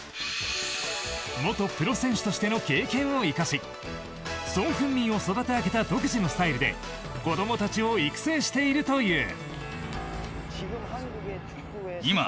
元プロ選手としての経験を生かしソン・フンミンを育て上げた独自のスタイルで子供たちを育成しているという。